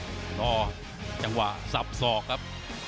จนทางด้านมาวินนี่รอจังหวะสับสอกครับ